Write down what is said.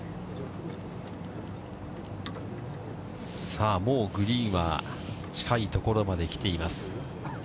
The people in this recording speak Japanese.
さあ、もうグリーンは近い所まで来ています。